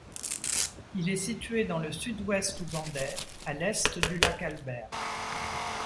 Il est situé dans le sud-ouest ougandais, à l'est du Lac Albert.